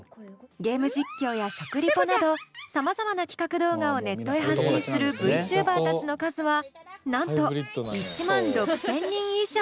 ゲーム実況や食リポなどさまざまな企画動画をネットへ発信するＶチューバーたちの数はなんと１万６，０００人以上。